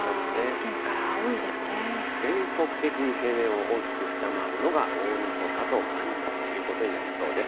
全国的に平年を大きく下回るのが、大みそかと元日ということになりそうです。